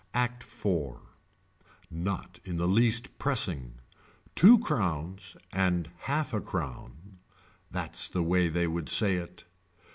Act Four. Not in the least pressing. Two crowns and a half a crown. That's the way they would say it.